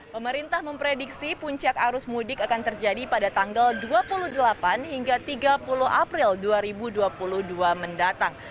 pemerintah memprediksi puncak arus mudik akan terjadi pada tanggal dua puluh delapan hingga tiga puluh april dua ribu dua puluh dua mendatang